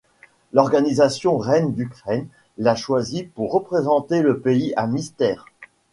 L'organisation Reine d'Ukraine la choisit pour représenter le pays à Miss Terre.